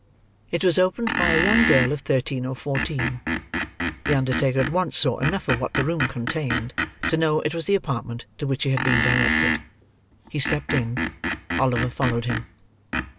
It was opened by a young girl of thirteen or fourteen. The undertaker at once saw enough of what the room contained, to know it was the apartment to which he had been directed. He stepped in; Oliver followed him.